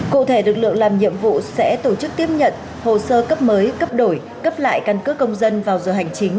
cụ thể lực lượng làm nhiệm vụ sẽ tổ chức tiếp nhận hồ sơ cấp mới cấp đổi cấp lại căn cước công dân vào giờ hành chính